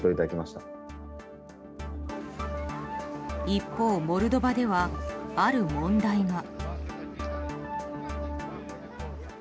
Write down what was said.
一方、モルドバではある問題が。